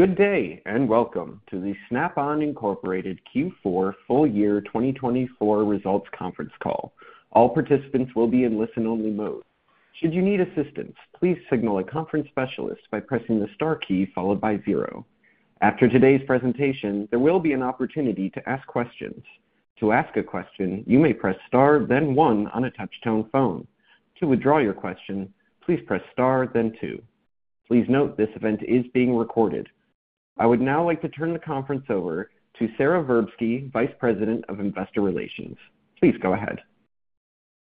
Good day and welcome to the Snap-on Incorporated Q4 full year 2024 results conference call. All participants will be in listen-only mode. Should you need assistance, please signal a conference specialist by pressing the * key followed by zero. After today's presentation, there will be an opportunity to ask questions. To ask a question, you may press *, then one on a touch-tone phone. To withdraw your question, please press *, then two. Please note this event is being recorded. I would now like to turn the conference over to Sara Verbsky, Vice President of Investor Relations. Please go ahead.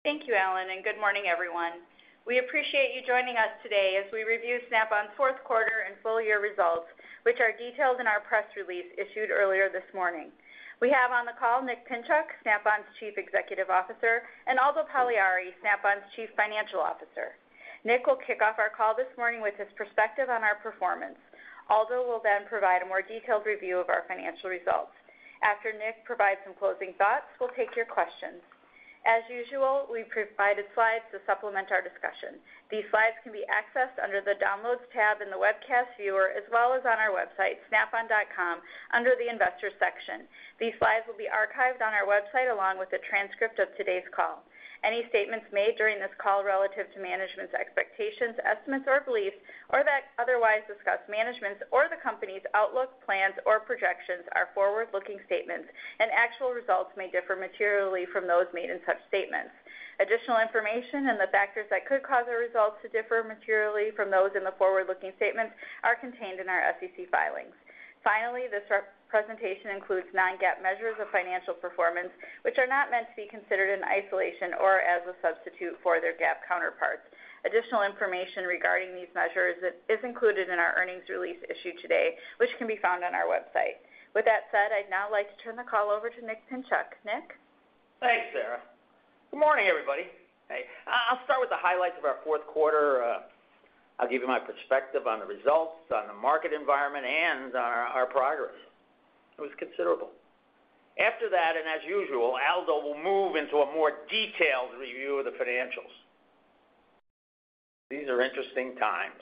Thank you, Alan, and good morning, everyone. We appreciate you joining us today as we review Snap-on's fourth quarter and full year results, which are detailed in our press release issued earlier this morning. We have on the call Nick Pinchuk, Snap-on's Chief Executive Officer, and Aldo Pagliari, Snap-on's Chief Financial Officer. Nick will kick off our call this morning with his perspective on our performance. Aldo will then provide a more detailed review of our financial results. After Nick provides some closing thoughts, we'll take your questions. As usual, we provided slides to supplement our discussion. These slides can be accessed under the Downloads tab in the webcast viewer, as well as on our website, snap-on.com, under the Investor section. These slides will be archived on our website along with a transcript of today's call. Any statements made during this call relative to management's expectations, estimates, or beliefs, or that otherwise discuss management's or the company's outlook, plans, or projections are forward-looking statements, and actual results may differ materially from those made in such statements. Additional information and the factors that could cause our results to differ materially from those in the forward-looking statements are contained in our SEC filings. Finally, this presentation includes non-GAAP measures of financial performance, which are not meant to be considered in isolation or as a substitute for their GAAP counterparts. Additional information regarding these measures is included in our earnings release issued today, which can be found on our website. With that said, I'd now like to turn the call over to Nick Pinchuk. Nick? Thanks, Sarah. Good morning, everybody. Hey, I'll start with the highlights of our fourth quarter. I'll give you my perspective on the results, on the market environment, and our progress. It was considerable. After that, and as usual, Aldo will move into a more detailed review of the financials. These are interesting times,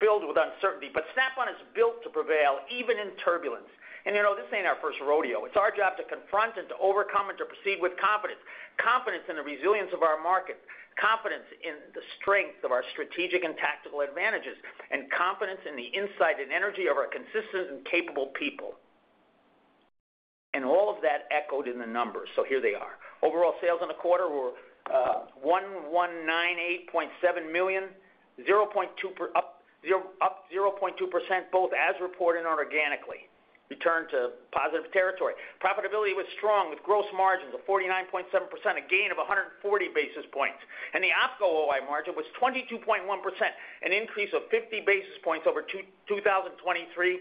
filled with uncertainty, but Snap-on is built to prevail even in turbulence. And this ain't our first rodeo. It's our job to confront and to overcome and to proceed with confidence, confidence in the resilience of our market, confidence in the strength of our strategic and tactical advantages, and confidence in the insight and energy of our consistent and capable people. And all of that echoed in the numbers, so here they are. Overall sales in the quarter were $1,198.7 million, up 0.2%, both as reported and organically, returned to positive territory. Profitability was strong with gross margins of 49.7%, a gain of 140 basis points, and the operating margin was 22.1%, an increase of 50 basis points over 2023,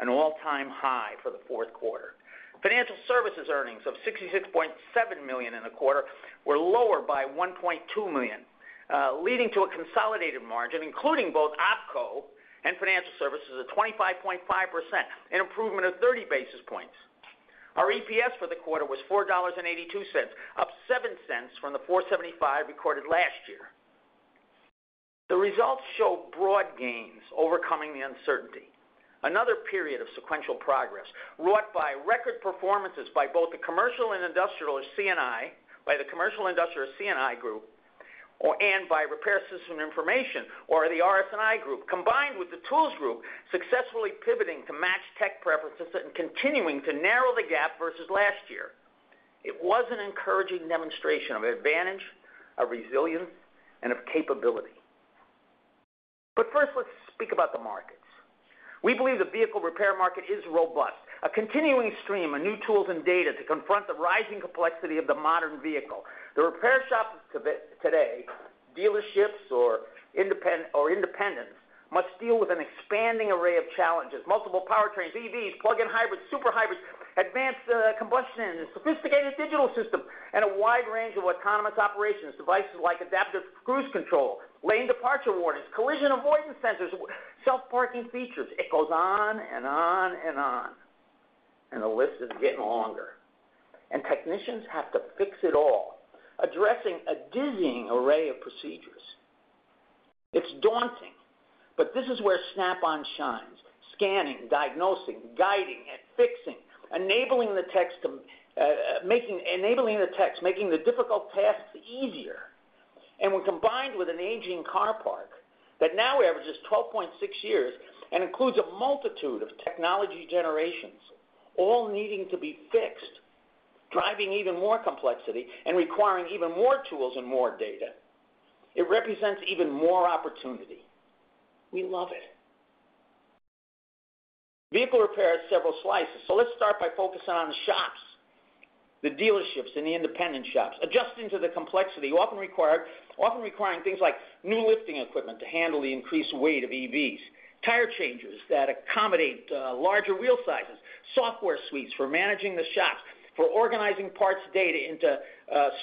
an all-time high for the fourth quarter. Financial services earnings of $66.7 million in the quarter were lower by $1.2 million, leading to a consolidated margin, including both Opco and financial services, of 25.5%, an improvement of 30 basis points. Our EPS for the quarter was $4.82, up $0.07 from the $4.75 recorded last year. The results show broad gains overcoming the uncertainty. Another period of sequential progress brought by record performances by both the commercial and industrial C&I, by the commercial industrial C&I Group, and by repair system information, or the RS&I group, combined with the Tools Group successfully pivoting to match tech preferences and continuing to narrow the gap versus last year. It was an encouraging demonstration of advantage, of resilience, and of capability. But first, let's speak about the markets. We believe the vehicle repair market is robust, a continuing stream of new tools and data to confront the rising complexity of the modern vehicle. The repair shops today, dealerships or independents, must deal with an expanding array of challenges: multiple powertrains, EVs, plug-in hybrids, super hybrids, advanced combustion engines, sophisticated digital systems, and a wide range of autonomous operations, devices like adaptive cruise control, lane departure warnings, collision avoidance sensors, self-parking features. It goes on and on and on, and the list is getting longer. And technicians have to fix it all, addressing a dizzying array of procedures. It's daunting, but this is where Snap-on shines: scanning, diagnosing, guiding, and fixing, enabling the techs, making the difficult tasks easier. When combined with an aging car park that now averages 12.6 years and includes a multitude of technology generations, all needing to be fixed, driving even more complexity and requiring even more tools and more data, it represents even more opportunity. We love it. Vehicle repair has several slices, so let's start by focusing on the shops, the dealerships, and the independent shops, adjusting to the complexity often requiring things like new lifting equipment to handle the increased weight of EVs, tire changers that accommodate larger wheel sizes, software suites for managing the shops, for organizing parts data into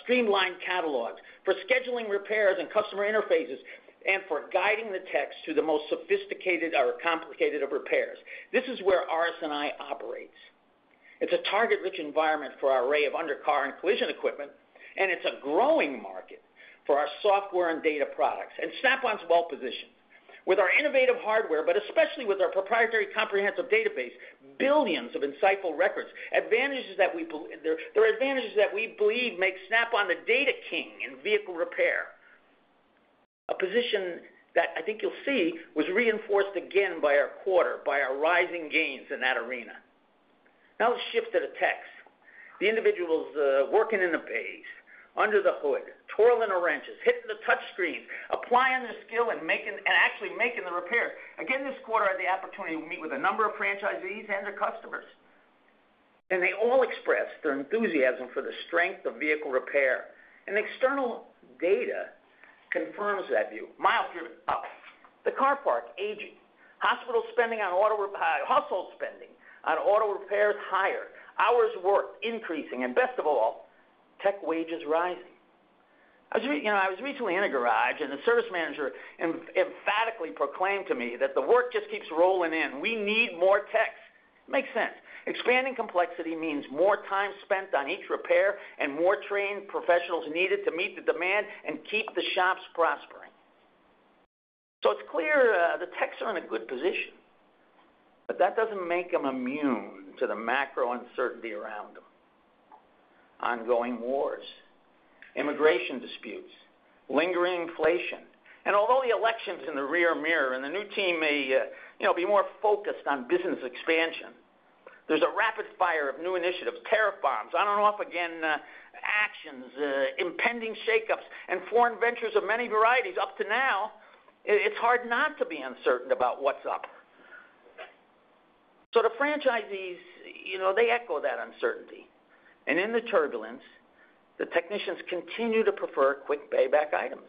streamlined catalogs, for scheduling repairs and customer interfaces, and for guiding the techs to the most sophisticated or complicated of repairs. This is where RS&I operates. It's a target-rich environment for our array of undercar and collision equipment, and it's a growing market for our software and data products. Snap-on's well-positioned with our innovative hardware, but especially with our proprietary comprehensive database, billions of insightful records, there are advantages that we believe make Snap-on the data king in vehicle repair, a position that I think you'll see was reinforced again by our quarter, by our rising gains in that arena. Now let's shift to the techs, the individuals working in the bays, under the hood, turning the wrenches, hitting the touchscreens, applying their skill, and actually making the repairs. Again, this quarter, the opportunity to meet with a number of franchisees and their customers, and they all expressed their enthusiasm for the strength of vehicle repair, and external data confirms that view, miles driven up, the car park aging, household spending on auto repair, household spending on auto repairs higher, hours worked increasing, and best of all, tech wages rising. I was recently in a garage, and the service manager emphatically proclaimed to me that the work just keeps rolling in. We need more techs. Makes sense. Expanding complexity means more time spent on each repair and more trained professionals needed to meet the demand and keep the shops prospering. So it's clear the techs are in a good position, but that doesn't make them immune to the macro uncertainty around them: ongoing wars, immigration disputes, lingering inflation. And although the election's in the rear mirror and the new team may be more focused on business expansion, there's a rapid fire of new initiatives, tariff bombs, on and off again actions, impending shake-ups, and foreign ventures of many varieties. Up to now, it's hard not to be uncertain about what's up. So the franchisees, they echo that uncertainty. In the turbulence, the technicians continue to prefer quick payback items,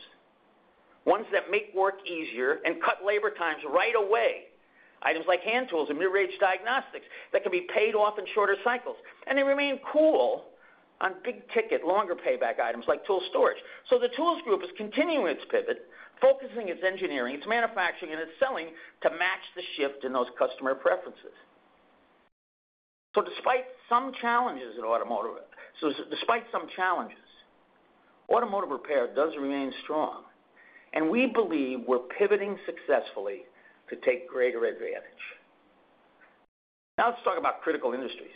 ones that make work easier and cut labor times right away, items like hand tools and mid-range diagnostics that can be paid off in shorter cycles. They remain cool on big ticket, longer payback items like tool storage. The Tools Group is continuing its pivot, focusing its engineering, its manufacturing, and its selling to match the shift in those customer preferences. Despite some challenges in automotive, automotive repair does remain strong, and we believe we're pivoting successfully to take greater advantage. Now let's talk about critical industries.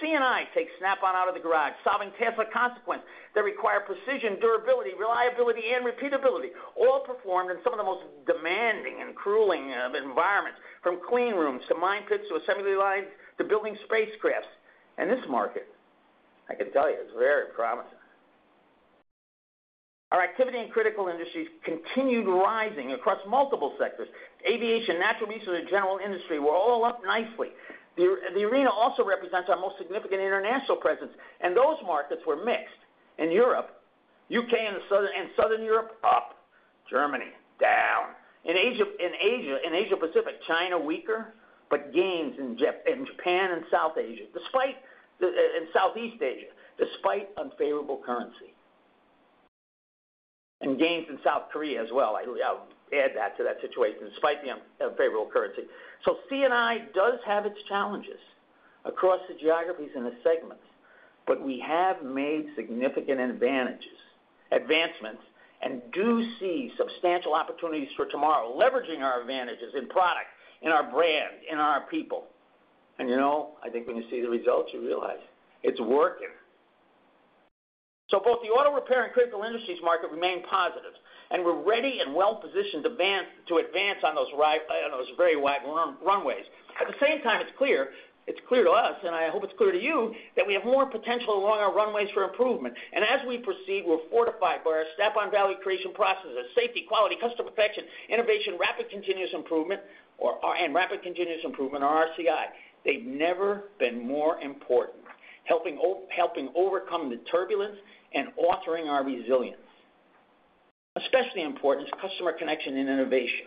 C&I takes Snap-on out of the garage, solving Tesla consequences that require precision, durability, reliability, and repeatability, all performed in some of the most demanding and grueling environments, from clean rooms to mine pits to assembly lines to building spacecraft. This market, I can tell you, is very promising. Our activity in critical industries continued rising across multiple sectors: aviation, natural resources, and general industry were all up nicely. The arena also represents our most significant international presence, and those markets were mixed in Europe, UK and Southern Europe, up, Germany, down. In Asia Pacific, China weaker, but gains in Japan and South East Asia despite unfavorable currency. And gains in South Korea as well. I'll add that to that situation despite the unfavorable currency. So C&I does have its challenges across the geographies and the segments, but we have made significant advancements and do see substantial opportunities for tomorrow, leveraging our advantages in product, in our brand, in our people. And I think when you see the results, you realize it's working. So both the auto repair and critical industries market remain positive, and we're ready and well-positioned to advance on those very wide runways. At the same time, it's clear to us, and I hope it's clear to you, that we have more potential along our runways for improvement. And as we proceed, we're fortified by our Snap-on Value Creation Processes: safety, quality, customer protection, innovation, Rapid Continuous Improvement, and Rapid Continuous Improvement, or RCI. They've never been more important, helping overcome the turbulence and altering our resilience. Especially important is customer connection and innovation.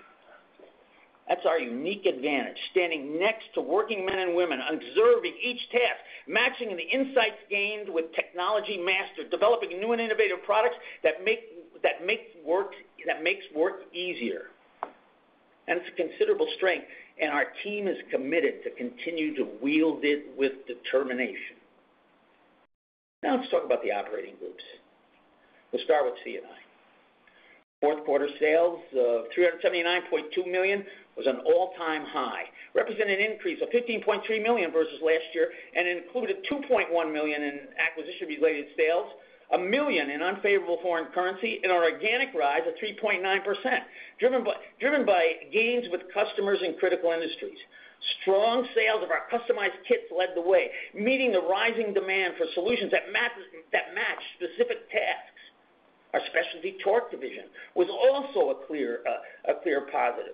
That's our unique advantage: standing next to working men and women, observing each task, matching the insights gained with technology mastered, developing new and innovative products that make work easier. And it's a considerable strength, and our team is committed to continue to wield it with determination. Now let's talk about the operating groups. We'll start with C&I. Fourth quarter sales of $379.2 million was an all-time high, representing an increase of $15.3 million versus last year and included $2.1 million in acquisition-related sales, $1 million in unfavorable foreign currency, and an organic rise of 3.9%, driven by gains with customers and critical industries. Strong sales of our customized kits led the way, meeting the rising demand for solutions that match specific tasks. Our specialty torque division was also a clear positive.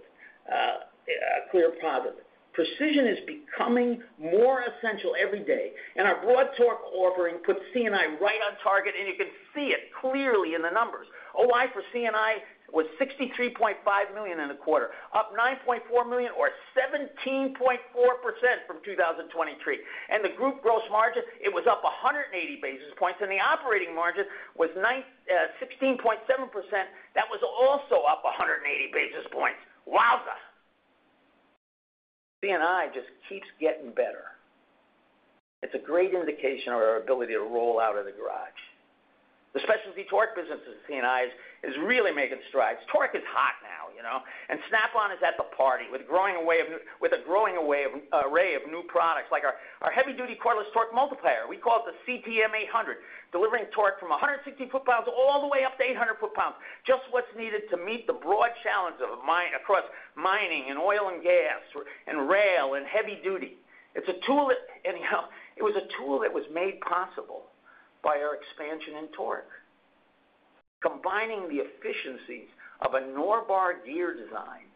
Precision is becoming more essential every day, and our broad torque offering puts C&I right on target, and you can see it clearly in the numbers. OI for C&I was $63.5 million in the quarter, up $9.4 million or 17.4% from 2023. And the group gross margin, it was up 180 basis points, and the operating margin was 16.7%. That was also up 180 basis points. Wowza. C&I just keeps getting better. It's a great indication of our ability to roll out of the garage. The specialty torque business of C&I is really making strides. Torque is hot now, and Snap-on is at the party with a growing array of new products like our heavy-duty cordless torque multiplier. We call it the CTM800, delivering torque from 160 foot-pounds all the way up to 800 foot-pounds, just what's needed to meet the broad challenge across mining and oil and gas and rail and heavy duty. It was a tool that was made possible by our expansion in torque, combining the efficiencies of a Norbar gear design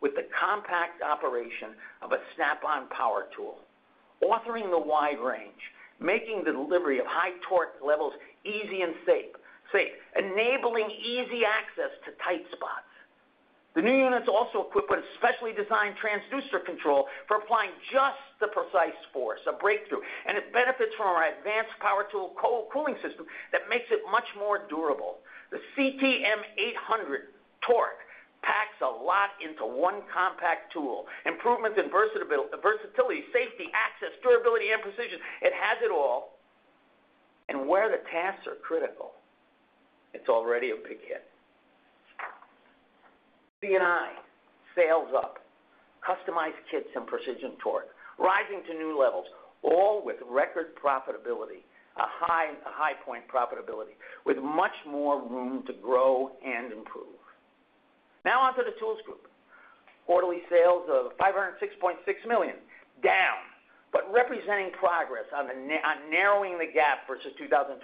with the compact operation of a Snap-on power tool, authoring the wide range, making the delivery of high torque levels easy and safe, enabling easy access to tight spots. The new unit's also equipped with a specially designed transducer control for applying just the precise force, a breakthrough, and it benefits from our advanced power tool cooling system that makes it much more durable. The CTM 800 torque packs a lot into one compact tool: improvements in versatility, safety, access, durability, and precision. It has it all, and where the tasks are critical, it's already a big hit. C&I sales up, customized kits and precision torque rising to new levels, all with record profitability, a high point profitability with much more room to grow and improve. Now on to the Tools Group. Quarterly sales of $506.6 million, down, but representing progress on narrowing the gap versus 2023.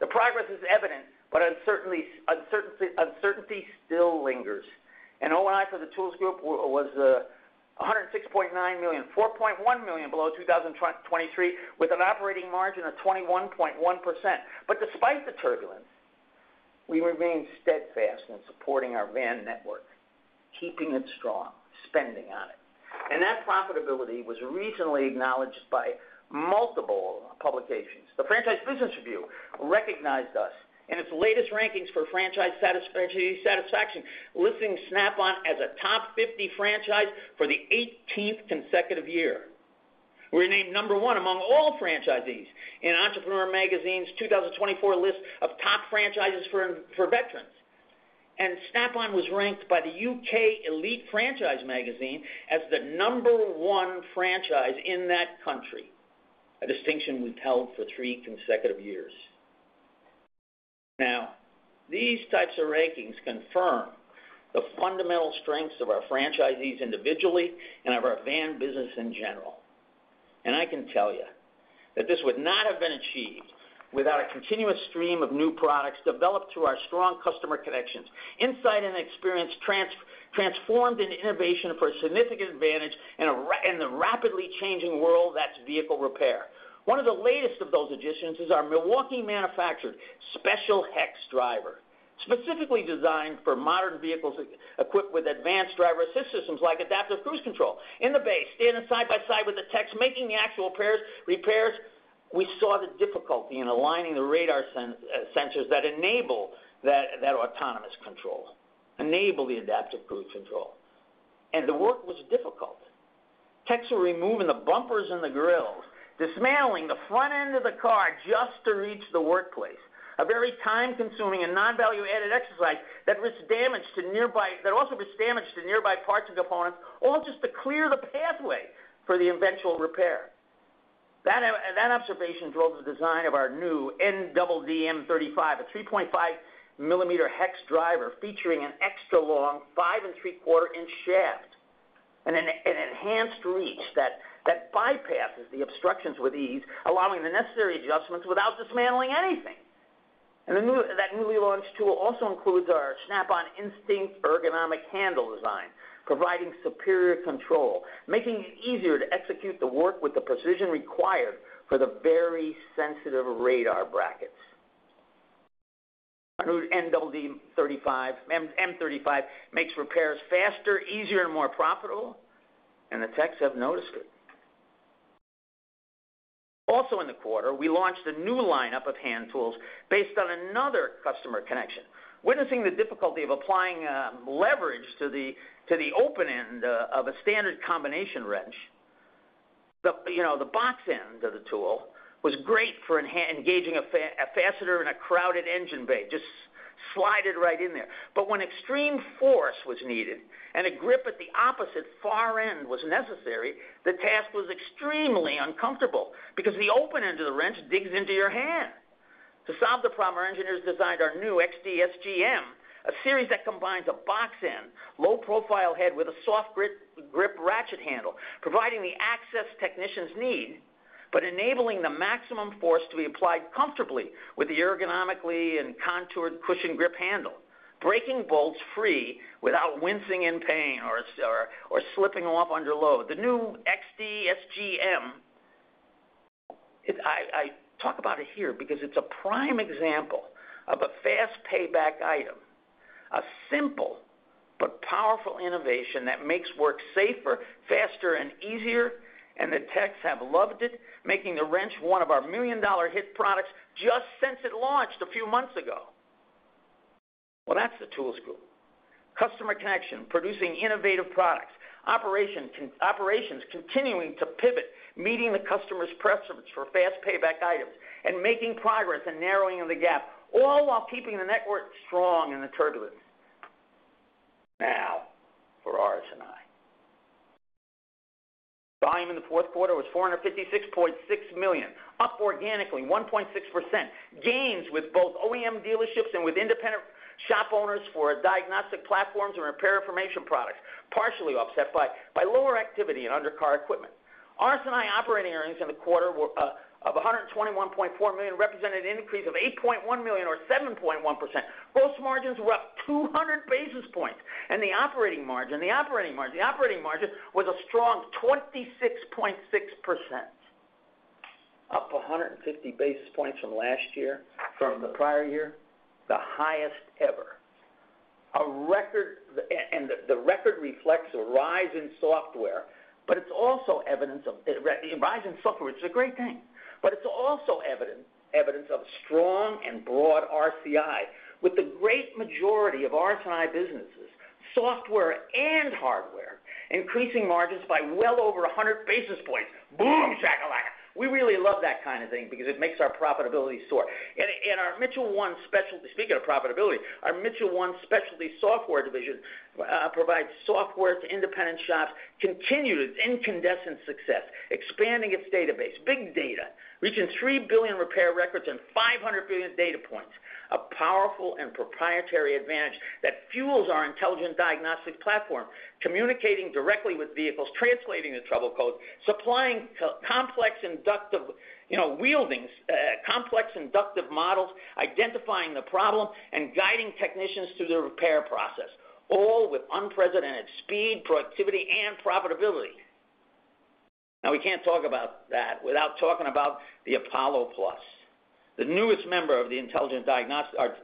The progress is evident, but uncertainty still lingers, and OI for the Tools Group was $106.9 million, $4.1 million below 2023, with an operating margin of 21.1%. But despite the turbulence, we remain steadfast in supporting our van network, keeping it strong, spending on it. And that profitability was recently acknowledged by multiple publications. The Franchise Business Review recognized us in its latest rankings for franchise satisfaction, listing Snap-on as a top 50 franchise for the 18th consecutive year. We're named number one among all franchisees in Entrepreneur magazine's 2024 list of top franchises for veterans. And Snap-on was ranked by the Elite Franchise magazine as the number one franchise in that country, a distinction we've held for three consecutive years. Now, these types of rankings confirm the fundamental strengths of our franchisees individually and of our van business in general. I can tell you that this would not have been achieved without a continuous stream of new products developed through our strong customer connections, insight and experience transformed into innovation for a significant advantage in the rapidly changing world that's vehicle repair. One of the latest of those additions is our Milwaukee-manufactured special hex driver, specifically designed for modern vehicles equipped with advanced driver assistance systems like adaptive cruise control. In the bay standing side by side with the techs making the actual repairs, we saw the difficulty in aligning the radar sensors that enable that autonomous control, enable the adaptive cruise control. The work was difficult. Techs were removing the bumpers and the grilles, dismantling the front end of the car just to reach the workplace, a very time-consuming and non-value-added exercise that also risked damage to nearby parts and components, all just to clear the pathway for the eventual repair. That observation drove the design of our new NDM35, a 3.5-millimeter hex driver featuring an extra-long five and 3/4-inch shaft and an enhanced reach that bypasses the obstructions with ease, allowing the necessary adjustments without dismantling anything, and that newly launched tool also includes our Snap-on Instinct ergonomic handle design, providing superior control, making it easier to execute the work with the precision required for the very sensitive radar brackets. Our new NDM35 makes repairs faster, easier, and more profitable, and the techs have noticed it. Also in the quarter, we launched a new lineup of hand tools based on another customer connection. Witnessing the difficulty of applying leverage to the open end of a standard combination wrench, the box end of the tool was great for engaging a fastener in a crowded engine bay. Just slide it right in there. But when extreme force was needed and a grip at the opposite far end was necessary, the task was extremely uncomfortable because the open end of the wrench digs into your hand. To solve the problem, our engineers designed our new XDSGM, a series that combines a box end, low-profile head with a soft grip ratchet handle, providing the access technicians need but enabling the maximum force to be applied comfortably with the ergonomically contoured cushion grip handle, breaking bolts free without wincing in pain or slipping off under load. The new XDSGM, I talk about it here because it's a prime example of a fast payback item, a simple but powerful innovation that makes work safer, faster, and easier, and the techs have loved it, making the wrench one of our million-dollar hit products just since it launched a few months ago. Well, that's the Tools Group. Customer connection, producing innovative products, operations continuing to pivot, meeting the customer's preference for fast payback items, and making progress in narrowing the gap, all while keeping the network strong in the turbulence. Now, for RS&I. Volume in the fourth quarter was $456.6 million, up organically 1.6%. Gains with both OEM dealerships and with independent shop owners for diagnostic platforms and repair information products, partially offset by lower activity in undercar equipment. RS&I operating earnings in the quarter of $121.4 million represented an increase of $8.1 million or 7.1%. Gross margins were up 200 basis points, and the operating margin was a strong 26.6%, up 150 basis points from the prior year, the highest ever. The record reflects a rise in software, which is a great thing. It's also evidence of strong and broad RCI, with the great majority of RS&I businesses, software and hardware, increasing margins by well over 100 basis points. Boom, shack-a-lack. We really love that kind of thing because it makes our profitability soar. And our Mitchell 1 specialty, speaking of profitability, our Mitchell 1 specialty software division provides software to independent shops, continued incredible success, expanding its database, big data, reaching 3 billion repair records and 500 billion data points, a powerful and proprietary advantage that fuels our intelligent diagnostic platform, communicating directly with vehicles, translating the trouble codes, supplying complex interactive wirings, complex inductive models, identifying the problem, and guiding technicians through the repair process, all with unprecedented speed, productivity, and profitability. Now, we can't talk about that without talking about the Apollo Plus, the newest member of the intelligent diagnostic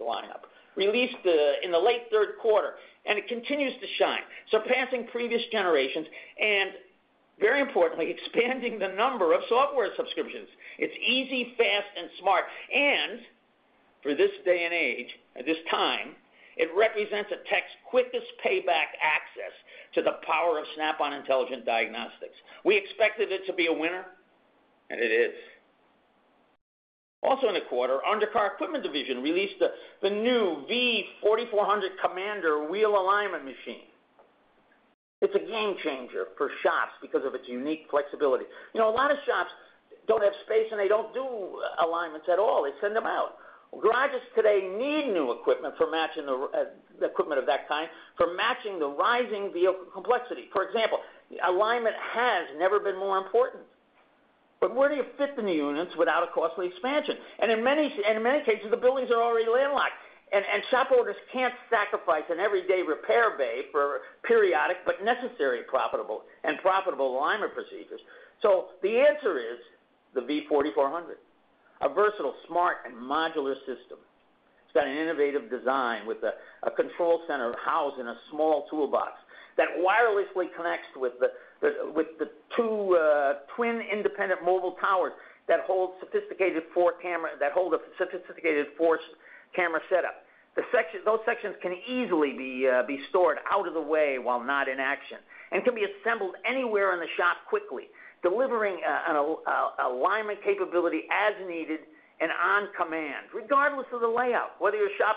lineup, released in the late third quarter, and it continues to shine, surpassing previous generations and, very importantly, expanding the number of software subscriptions. It's easy, fast, and smart. And for this day and age, at this time, it represents a tech's quickest payback access to the power of Snap-on Intelligent Diagnostics. We expected it to be a winner, and it is. Also in the quarter, Undercar Equipment Division released the new V4400 Commander wheel alignment machine. It's a game changer for shops because of its unique flexibility. A lot of shops don't have space, and they don't do alignments at all. They send them out. Garages today need new equipment for matching the equipment of that kind, for matching the rising vehicle complexity. For example, alignment has never been more important. But where do you fit the new units without a costly expansion? And in many cases, the buildings are already landlocked, and shop owners can't sacrifice an everyday repair bay for periodic but necessary and profitable alignment procedures. The answer is the V4400, a versatile, smart, and modular system. It's got an innovative design with a control center housed in a small toolbox that wirelessly connects with the two twin independent mobile towers that hold a sophisticated four camera setup. Those sections can easily be stored out of the way while not in action and can be assembled anywhere in the shop quickly, delivering alignment capability as needed and on command, regardless of the layout, whether your shop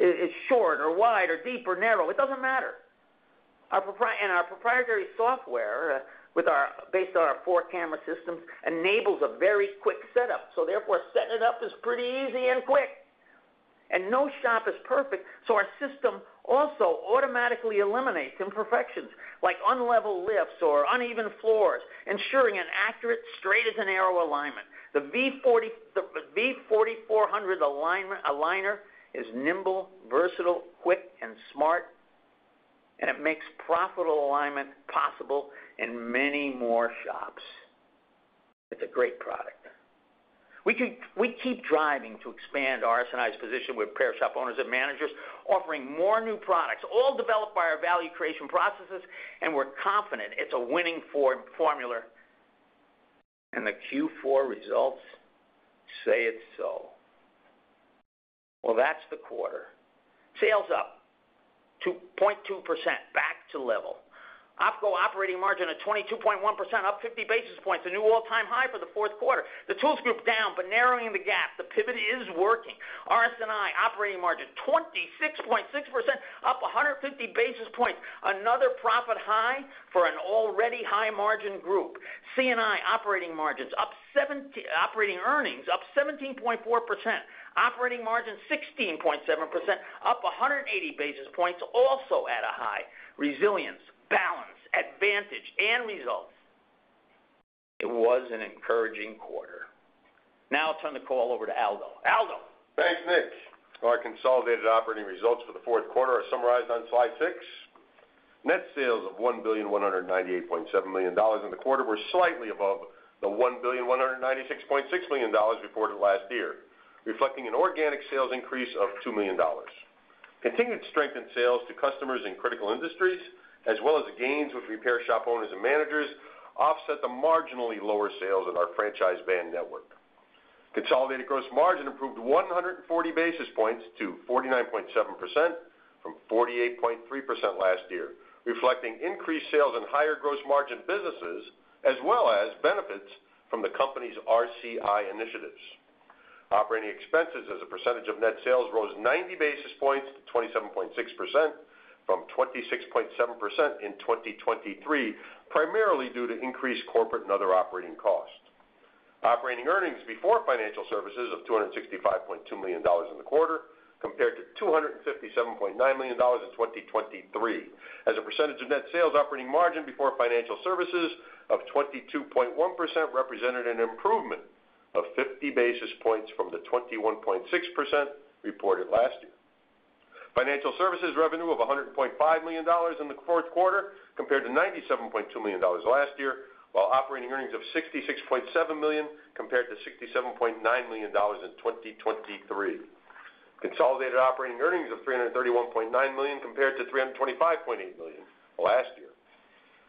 is short or wide or deep or narrow, it doesn't matter. Our proprietary software, based on our four camera systems, enables a very quick setup. Therefore, setting it up is pretty easy and quick. No shop is perfect. Our system also automatically eliminates imperfections like unlevel lifts or uneven floors, ensuring an accurate, straight-as-an-arrow alignment. The V4400 aligner is nimble, versatile, quick, and smart, and it makes profitable alignment possible in many more shops. It's a great product. We keep driving to expand RS&I's position with repair shop owners and managers, offering more new products, all developed by our value creation processes, and we're confident it's a winning formula, and the Q4 results say it's so. That's the quarter. Sales up 0.2%, back to level. Opco operating margin at 22.1%, up 50 basis points, a new all-time high for the fourth quarter. The Tools Group down, but narrowing the gap. The pivot is working. RS&I operating margin 26.6%, up 150 basis points. Another profit high for an already high-margin group. C&I operating earnings up 17.4%. Operating margin 16.7%, up 180 basis points, also at a high. Resilience, balance, advantage, and results. It was an encouraging quarter. Now I'll turn the call over to Aldo. Aldo. Thanks, Nick. Our consolidated operating results for the fourth quarter are summarized on slide six. Net sales of $1,198.7 million in the quarter were slightly above the $1,196.6 million reported last year, reflecting an organic sales increase of $2 million. Continued strength in sales to customers in critical industries, as well as gains with repair shop owners and managers, offset the marginally lower sales in our franchise van network. Consolidated gross margin improved 140 basis points to 49.7% from 48.3% last year, reflecting increased sales and higher gross margin businesses, as well as benefits from the company's RCI initiatives. Operating expenses as a percentage of net sales rose 90 basis points to 27.6% from 26.7% in 2023, primarily due to increased corporate and other operating costs. Operating earnings before financial services of $265.2 million in the quarter compared to $257.9 million in 2023. As a percentage of net sales, operating margin before financial services of 22.1% represented an improvement of 50 basis points from the 21.6% reported last year. Financial services revenue of $100.5 million in the fourth quarter compared to $97.2 million last year, while operating earnings of $66.7 million compared to $67.9 million in 2023. Consolidated operating earnings of $331.9 million compared to $325.8 million last year.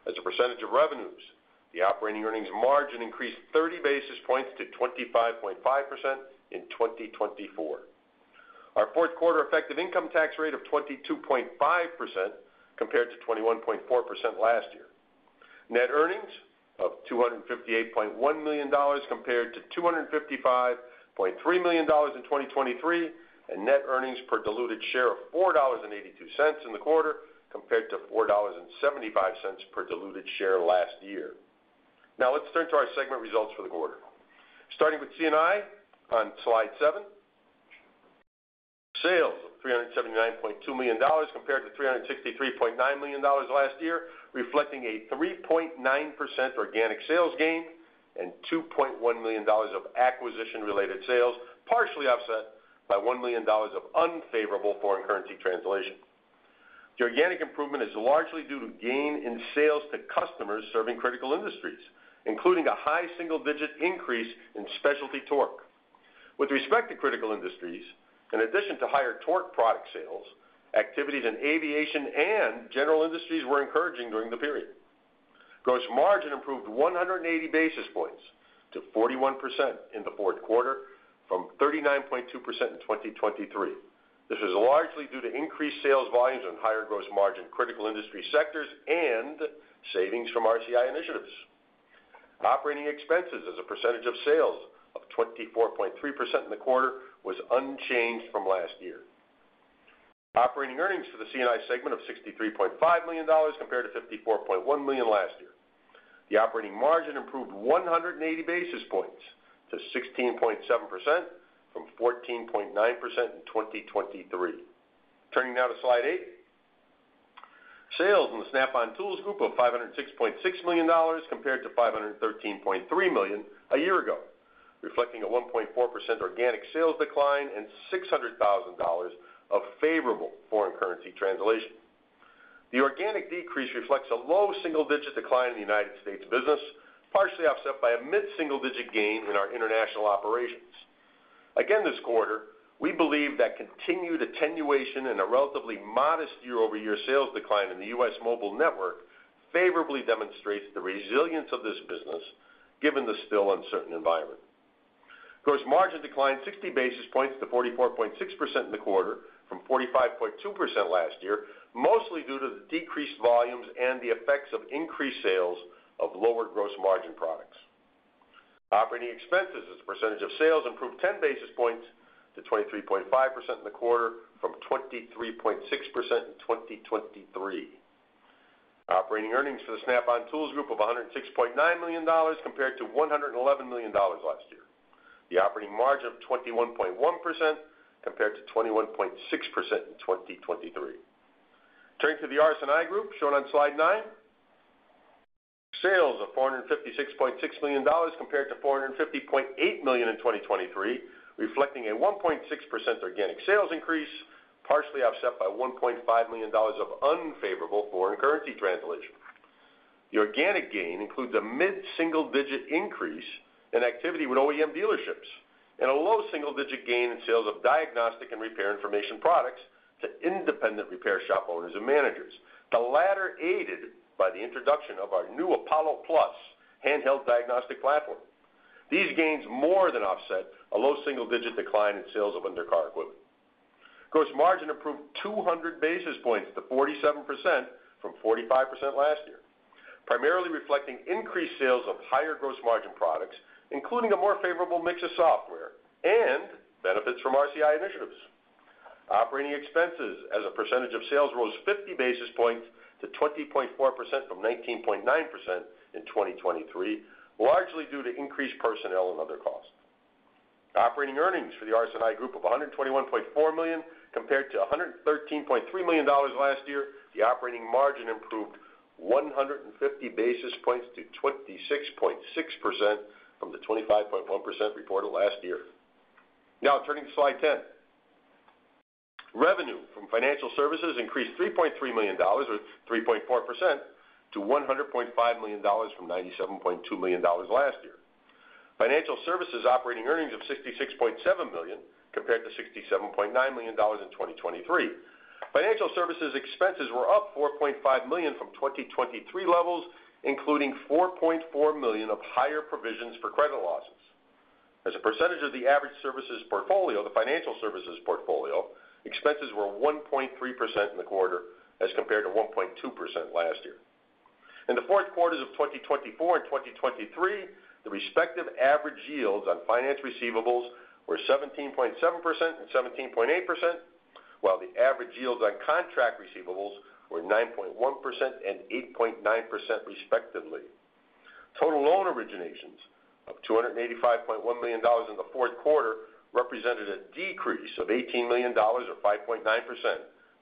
As a percentage of revenues, the operating earnings margin increased 30 basis points to 25.5% in 2024. Our fourth quarter effective income tax rate of 22.5% compared to 21.4% last year. Net earnings of $258.1 million compared to $255.3 million in 2023, and net earnings per diluted share of $4.82 in the quarter compared to $4.75 per diluted share last year. Now let's turn to our segment results for the quarter. Starting with C&I on slide seven. Sales of $379.2 million compared to $363.9 million last year, reflecting a 3.9% organic sales gain and $2.1 million of acquisition-related sales, partially offset by $1 million of unfavorable foreign currency translation. The organic improvement is largely due to gain in sales to customers serving critical industries, including a high single-digit increase in specialty torque. With respect to critical industries, in addition to higher torque product sales, activities in aviation and general industries were encouraging during the period. Gross margin improved 180 basis points to 41% in the fourth quarter from 39.2% in 2023. This was largely due to increased sales volumes and higher gross margin critical industry sectors and savings from RCI initiatives. Operating expenses as a percentage of sales of 24.3% in the quarter was unchanged from last year. Operating earnings for the C&I segment of $63.5 million compared to $54.1 million last year. The operating margin improved 180 basis points to 16.7% from 14.9% in 2023. Turning now to slide eight. Sales in the Snap-on Tools group of $506.6 million compared to $513.3 million a year ago, reflecting a 1.4% organic sales decline and $600,000 of favorable foreign currency translation. The organic decrease reflects a low single-digit decline in the United States business, partially offset by a mid-single-digit gain in our international operations. Again, this quarter, we believe that continued attenuation and a relatively modest year-over-year sales decline in the U.S., mobile network favorably demonstrates the resilience of this business given the still uncertain environment. Gross margin declined 60 basis points to 44.6% in the quarter from 45.2% last year, mostly due to the decreased volumes and the effects of increased sales of lower gross margin products. Operating expenses as a percentage of sales improved 10 basis points to 23.5% in the quarter from 23.6% in 2023. Operating earnings for the Snap-on Tools group of $106.9 million compared to $111 million last year. The operating margin of 21.1% compared to 21.6% in 2023. Turning to the RS&I group shown on slide nine. Sales of $456.6 million compared to $450.8 million in 2023, reflecting a 1.6% organic sales increase, partially offset by $1.5 million of unfavorable foreign currency translation. The organic gain includes a mid-single-digit increase in activity with OEM dealerships and a low single-digit gain in sales of diagnostic and repair information products to independent repair shop owners and managers, the latter aided by the introduction of our new Apollo Plus handheld diagnostic platform. These gains more than offset a low single-digit decline in sales of undercar equipment. Gross margin improved 200 basis points to 47% from 45% last year, primarily reflecting increased sales of higher gross margin products, including a more favorable mix of software and benefits from RCI initiatives. Operating expenses as a percentage of sales rose 50 basis points to 20.4% from 19.9% in 2023, largely due to increased personnel and other costs. Operating earnings for the RS&I group of $121.4 million compared to $113.3 million last year. The operating margin improved 150 basis points to 26.6% from the 25.1% reported last year. Now turning to slide 10. Revenue from financial services increased $3.3 million or 3.4% to $100.5 million from $97.2 million last year. Financial services operating earnings of $66.7 million compared to $67.9 million in 2023. Financial services expenses were up $4.5 million from 2023 levels, including $4.4 million of higher provisions for credit losses. As a percentage of the average services portfolio, the financial services portfolio, expenses were 1.3% in the quarter as compared to 1.2% last year. In the fourth quarters of 2024 and 2023, the respective average yields on finance receivables were 17.7% and 17.8%, while the average yields on contract receivables were 9.1% and 8.9% respectively. Total loan originations of $285.1 million in the fourth quarter represented a decrease of $18 million or 5.9%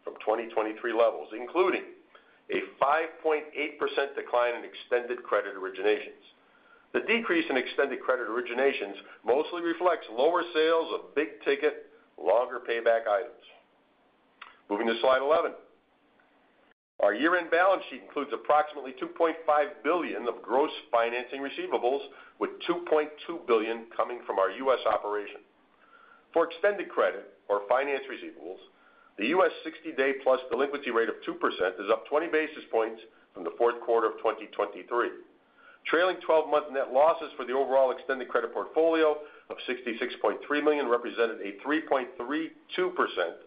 from 2023 levels, including a 5.8% decline in extended credit originations. The decrease in extended credit originations mostly reflects lower sales of big ticket, longer payback items. Moving to slide 11. Our year-end balance sheet includes approximately $2.5 billion of gross financing receivables, with $2.2 billion coming from our U.S., operation. For extended credit or finance receivables, the U.S., 60-day plus delinquency rate of 2% is up 20 basis points from the fourth quarter of 2023. Trailing 12-month net losses for the overall extended credit portfolio of $66.3 million represented a 3.32%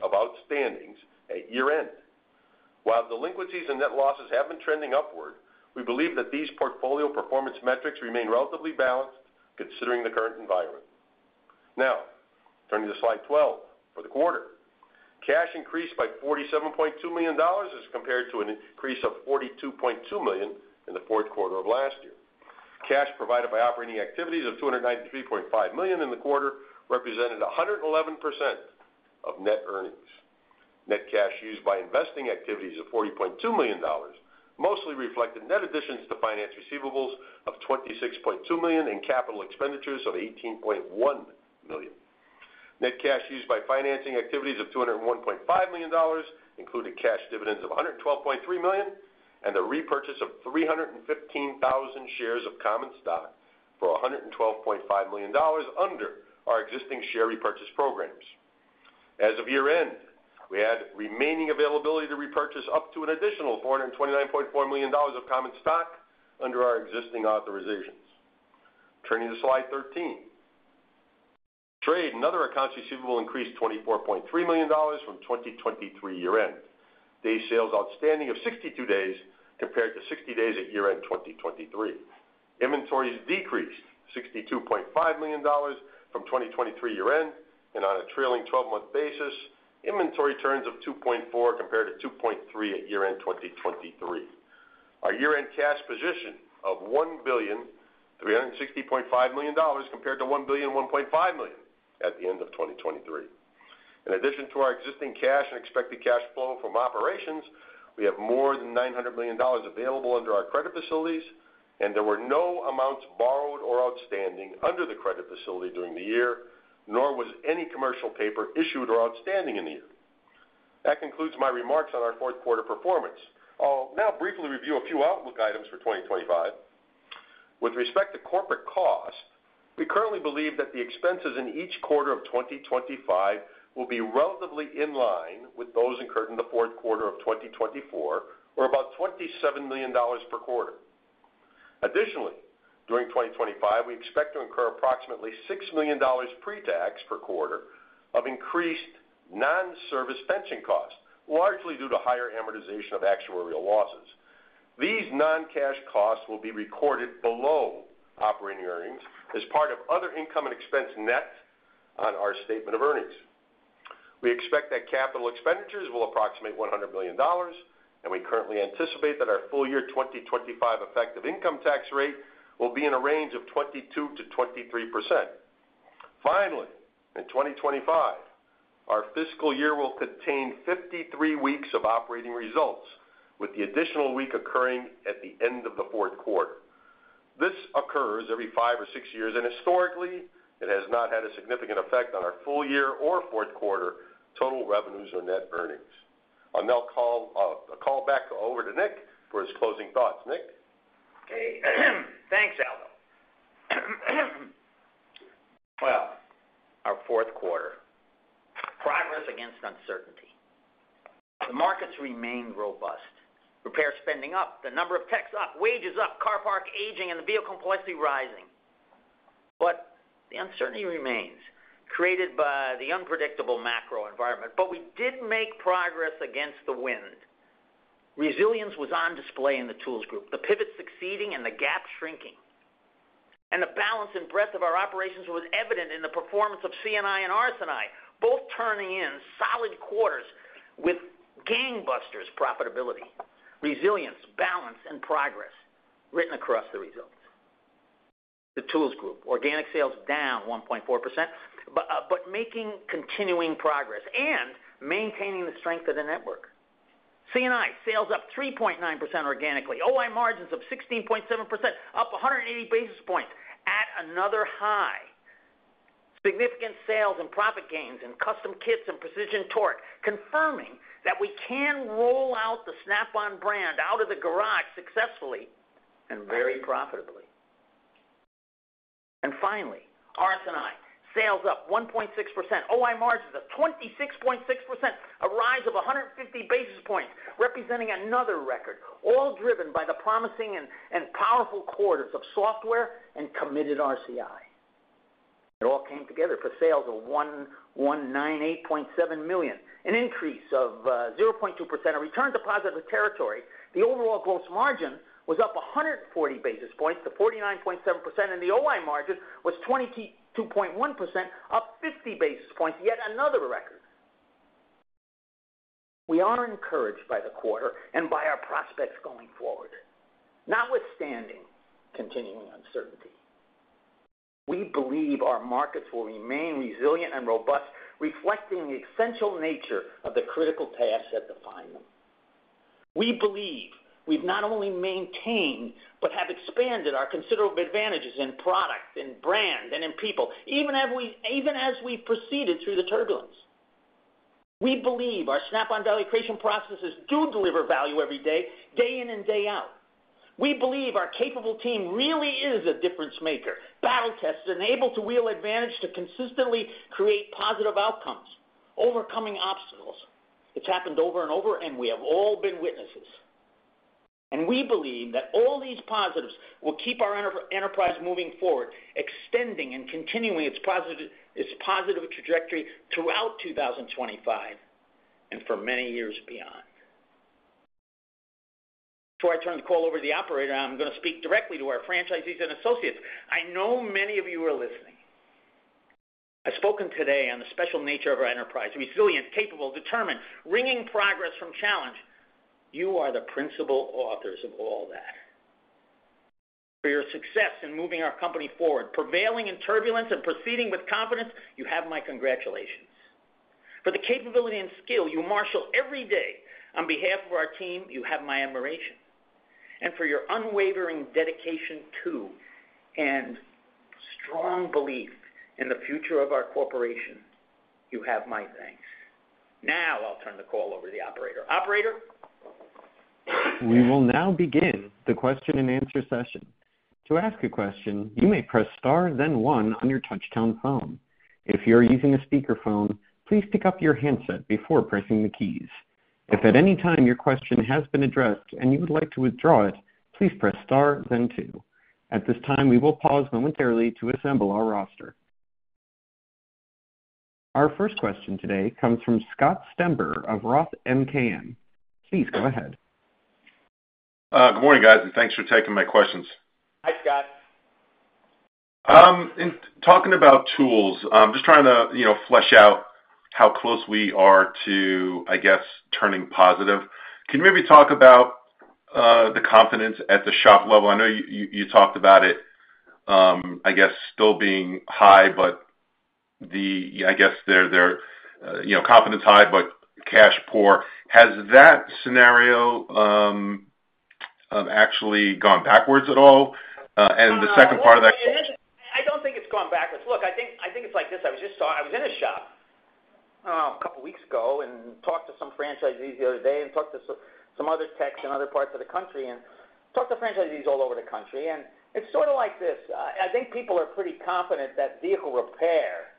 of outstandings at year-end. While delinquencies and net losses have been trending upward, we believe that these portfolio performance metrics remain relatively balanced considering the current environment. Now, turning to slide 12 for the quarter. Cash increased by $47.2 million as compared to an increase of $42.2 million in the fourth quarter of last year. Cash provided by operating activities of $293.5 million in the quarter represented 111% of net earnings. Net cash used by investing activities of $40.2 million mostly reflected net additions to finance receivables of $26.2 million and capital expenditures of $18.1 million. Net cash used by financing activities of $201.5 million included cash dividends of $112.3 million and the repurchase of 315,000 shares of common stock for $112.5 million under our existing share repurchase programs. As of year-end, we had remaining availability to repurchase up to an additional $429.4 million of common stock under our existing authorizations. Turning to slide 13. Trade and other accounts receivable increased $24.3 million from 2023 year-end. Day sales outstanding of 62 days compared to 60 days at year-end 2023. Inventories decreased $62.5 million from 2023 year-end, and on a trailing 12-month basis, inventory turns of 2.4 compared to 2.3 at year-end 2023. Our year-end cash position of $1,360.5 million compared to $1,001.5 million at the end of 2023. In addition to our existing cash and expected cash flow from operations, we have more than $900 million available under our credit facilities, and there were no amounts borrowed or outstanding under the credit facility during the year, nor was any commercial paper issued or outstanding in the year. That concludes my remarks on our fourth quarter performance. I'll now briefly review a few outlook items for 2025. With respect to corporate cost, we currently believe that the expenses in each quarter of 2025 will be relatively in line with those incurred in the fourth quarter of 2024, or about $27 million per quarter. Additionally, during 2025, we expect to incur approximately $6 million pre-tax per quarter of increased non-service pension costs, largely due to higher amortization of actuarial losses. These non-cash costs will be recorded below operating earnings as part of other income and expense net on our statement of earnings. We expect that capital expenditures will approximate $100 million, and we currently anticipate that our full year 2025 effective income tax rate will be in a range of 22%-23%. Finally, in 2025, our fiscal year will contain 53 weeks of operating results, with the additional week occurring at the end of the fourth quarter. This occurs every five or six years, and historically, it has not had a significant effect on our full year or fourth quarter total revenues or net earnings. I'll now call back over to Nick for his closing thoughts. Nick. Okay. Thanks, Aldo. Well, our fourth quarter. Progress against uncertainty. The markets remain robust. Repair spending up, the number of techs up, wages up, car park aging, and the vehicle complexity rising. But the uncertainty remains, created by the unpredictable macro environment. But we did make progress against the wind. Resilience was on display in the Tools Group, the pivot succeeding and the gap shrinking. And the balance and breadth of our operations was evident in the performance of C&I and RS&I, both turning in solid quarters with gangbusters profitability, resilience, balance, and progress written across the results. The Tools Group, organic sales down 1.4%, but making continuing progress and maintaining the strength of the network. C&I, sales up 3.9% organically. OI margins of 16.7%, up 180 basis points at another high. Significant sales and profit gains in custom kits and precision torque, confirming that we can roll out the Snap-on brand out of the garage successfully and very profitably. And finally, RS&I, sales up 1.6%. OI margins of 26.6%, a rise of 150 basis points, representing another record, all driven by the promising and powerful quarters of software and committed RCI. It all came together for sales of $198.7 million, an increase of 0.2%. Adjusted for return to positive territory, the overall gross margin was up 140 basis points to 49.7%, and the OI margin was 22.1%, up 50 basis points, yet another record. We are encouraged by the quarter and by our prospects going forward, notwithstanding continuing uncertainty. We believe our markets will remain resilient and robust, reflecting the essential nature of the critical tasks that define them. We believe we've not only maintained but have expanded our considerable advantages in product, in brand, and in people, even as we've proceeded through the turbulence. We believe our Snap-on Value Creation processes do deliver value every day, day in and day out. We believe our capable team really is a difference maker, battle-tested, and able to wield advantage to consistently create positive outcomes, overcoming obstacles. It's happened over and over, and we have all been witnesses. We believe that all these positives will keep our enterprise moving forward, extending and continuing its positive trajectory throughout 2025 and for many years beyond. Before I turn the call over to the operator, I'm going to speak directly to our franchisees and associates. I know many of you are listening. I've spoken today on the special nature of our enterprise: resilient, capable, determined, ringing progress from challenge. You are the principal authors of all that. For your success in moving our company forward, prevailing in turbulence, and proceeding with confidence, you have my congratulations. For the capability and skill you marshal every day on behalf of our team, you have my admiration. And for your unwavering dedication to and strong belief in the future of our corporation, you have my thanks. Now I'll turn the call over to the operator. Operator. We will now begin the question and answer session. To ask a question, you may press *, then one on your touch-tone phone. If you're using a speakerphone, please pick up your handset before pressing the keys. If at any time your question has been addressed and you would like to withdraw it, please press *, then two. At this time, we will pause momentarily to assemble our roster. Our first question today comes from Scott Stember of ROTH MKM. Please go ahead. Good morning, guys, and thanks for taking my questions. Hi, Scott. Talking about tools, I'm just trying to flesh out how close we are to, I guess, turning positive. Can you maybe talk about the confidence at the shop level? I know you talked about it, I guess, still being high, but I guess their confidence high, but cash poor. Has that scenario actually gone backwards at all? And the second part of that. I don't think it's gone backwards. Look, I think it's like this. I was in a shop a couple of weeks ago and talked to some franchisees the other day and talked to some other techs in other parts of the country and talked to franchisees all over the country, and it's sort of like this. I think people are pretty confident that vehicle repair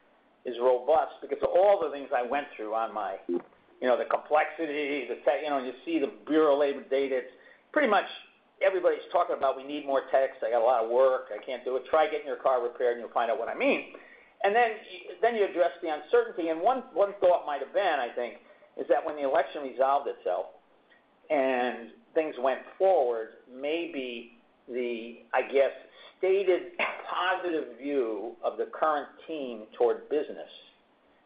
is robust because of all the things I went through on the complexity, the tech. You see the Bureau of Labor Statistics data. It's pretty much everybody's talking about, "We need more techs. I got a lot of work. I can't do it. Try getting your car repaired, and you'll find out what I mean," and then you address the uncertainty. One thought might have been, I think, is that when the election resolved itself and things went forward, maybe the, I guess, stated positive view of the current team toward business,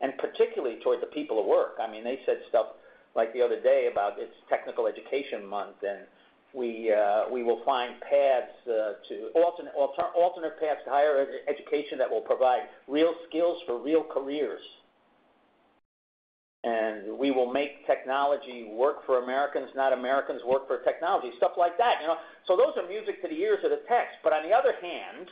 and particularly toward the people at work. I mean, they said stuff like the other day about it's technical education month, and we will find paths to alternate paths to higher education that will provide real skills for real careers. And we will make technology work for Americans, not Americans work for technology, stuff like that. So those are music to the ears of the techs. But on the other hand,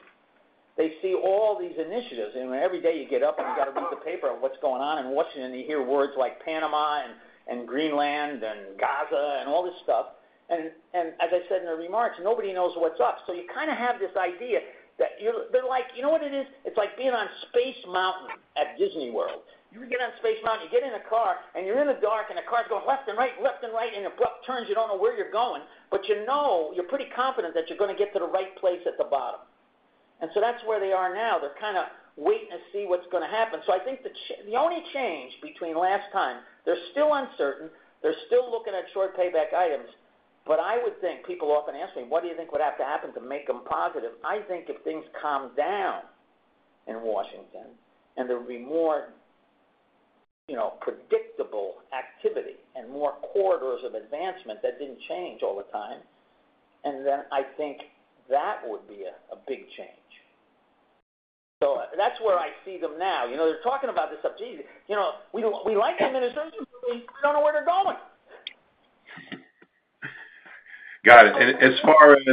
they see all these initiatives. Every day you get up, and you got to read the paper on what's going on in Washington, and you hear words like Panama and Greenland and Gaza and all this stuff. As I said in the remarks, nobody knows what's up. So you kind of have this idea that they're like, "You know what it is? It's like being on Space Mountain at Disney World." You get on Space Mountain, you get in a car, and you're in the dark, and the car's going left and right and left and right, and it turns. You don't know where you're going. But you know you're pretty confident that you're going to get to the right place at the bottom. And so that's where they are now. They're kind of waiting to see what's going to happen. So I think the only change between last time, they're still uncertain. They're still looking at short payback items. But I would think people often ask me, "What do you think would have to happen to make them positive?" I think if things calmed down in Washington and there would be more predictable activity and more quarters of advancement that didn't change all the time, and then I think that would be a big change. So that's where I see them now. They're talking about this stuff. We like the administration, but we don't know where they're going. Got it. And as far as